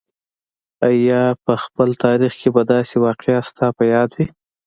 آیا په خپل تاریخ کې به داسې واقعه ستا په یاد وي.